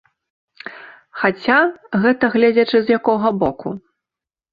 Хаця, гэта гледзячы з якога боку.